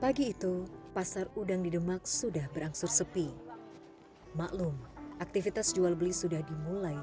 pagi itu pasar udang di demak sudah berangsur sepi maklum aktivitas jual beli sudah dimulai